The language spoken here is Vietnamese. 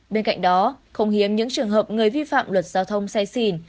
bên cạnh đó không hiếm những trường hợp người vi phạm luật giao thông say xỉn